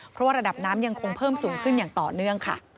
เพราะว่าระดับน้ำยังคงเพิ่มสูงขึ้นอย่างต่อเนื่องค่ะ